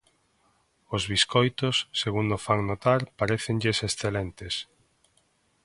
Os biscoitos, segundo fan notar, parécenlles excelentes.